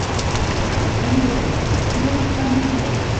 Allà, la vida de la família va millorar.